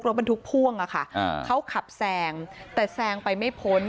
รถบรรทุกพ่วงอะค่ะเขาขับแซงแต่แซงไปไม่พ้น